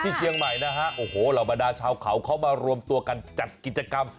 เชียงใหม่นะฮะโอ้โหเหล่าบรรดาชาวเขาเขามารวมตัวกันจัดกิจกรรม